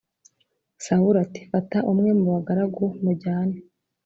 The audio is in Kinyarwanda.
Sawuli ati fata umwe mu bagaragu mujyane